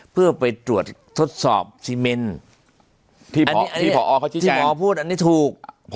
เพื่อไปตรวจทดสอบซีเมนที่พอพูดอันนี้ถูก